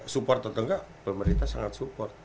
support atau enggak pemerintah sangat support